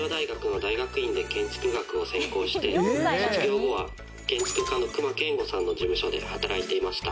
卒業後は建築家の隈研吾さんの事務所で働いていました。